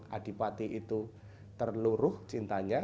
kadipati itu terluruh cintanya